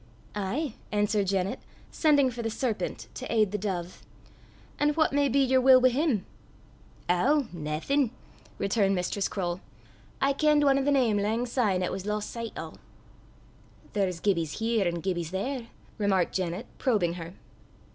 "Ay," answered Janet, sending for the serpent to aid the dove; "an' what may be yer wull wi' him?" "Ow, naething," returned Mistress Croale. "I kenned ane o' the name lang syne 'at was lost sicht o'." "There's Gibbies here an' Gibbies there," remarked Janet, probing her.